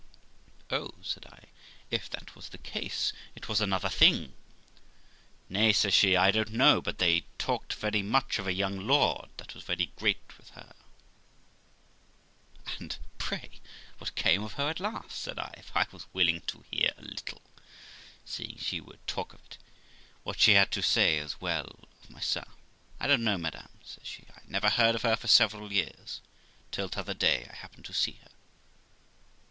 ' Oh ', said I, ' if that was the case it was another thing.' Nay ', says she, 'I don't know, but they talked very much of a young lord that was very great with her/ 'And pray what came of her at last?' said I, for I was willing to hear a little (seeing she would talk of it) what she had to say, as well of myself. 'I don't know, madam', said she; 'I never heard of her for several years, till t'other day I happened to see her.'